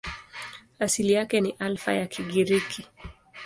Asili yake ni Alfa ya Kigiriki.